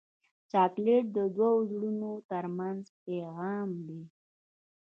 چاکلېټ د دوو زړونو ترمنځ پیغام دی.